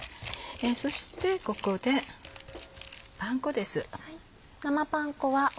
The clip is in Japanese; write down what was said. そしてここでパン粉です。